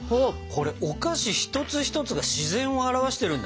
これお菓子一つ一つが自然を表してるんだね。